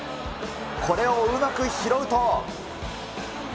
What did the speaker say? これをうまく拾うと。